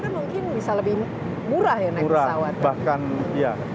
kan mungkin bisa lebih murah ya naik pesawat